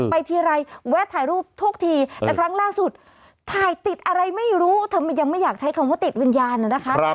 ทีไรแวะถ่ายรูปทุกทีแต่ครั้งล่าสุดถ่ายติดอะไรไม่รู้เธอยังไม่อยากใช้คำว่าติดวิญญาณนะคะ